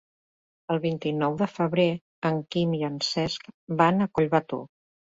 El vint-i-nou de febrer en Quim i en Cesc van a Collbató.